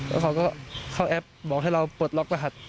แล้วเขาก็เข้าแอปบอกให้เราปลดล็อกรหัส